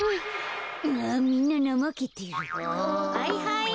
はいはい。